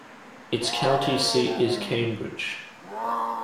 Its county seat is Cambridge.